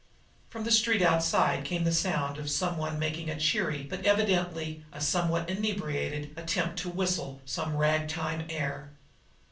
From the street outside came the sound of some one making a cheery, but evidently a somewhat inebriated, attempt to whistle some ragtime air.